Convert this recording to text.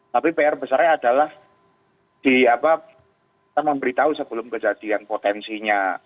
tapi pr besarnya adalah kita memberitahu sebelum kejadian potensinya